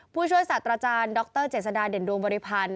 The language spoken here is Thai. ผู้ช่วยศาสตราจารย์ดรเจษฎาเด่นดวงบริพันธ์